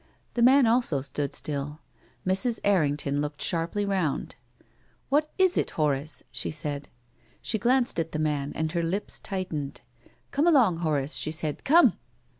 The man also stood still. Mrs. Errington looked sharply round. " What is it, Horace? " she said. She glanced at the man, and her lips tight ened. " Come along, Horace," she said. " Come